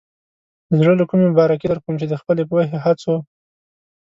د زړۀ له کومې مبارکي درکوم چې د خپلې پوهې، هڅو.